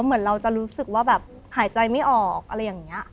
เหมือนเราจะรู้สึกว่าแบบหายใจไม่ออกอะไรอย่างนี้